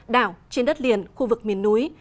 đảo trên đất liền khu vực miền núi